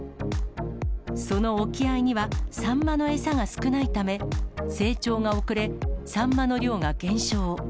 その沖合にはサンマの餌が少ないため、成長が遅れ、サンマの量が減少。